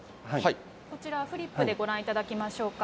こちら、フリップでご覧いただきましょうか。